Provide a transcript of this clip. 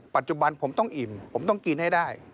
ปัจจุบันผมต้องอิ่มผมต้องกินให้ได้